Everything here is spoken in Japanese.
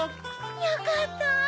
よかった！